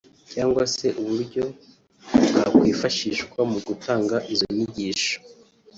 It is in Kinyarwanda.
cyangwa se uburyo bwakwifashishwa mu gutanga izo nyigisho